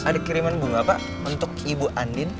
ada kiriman bunga pak untuk ibu andin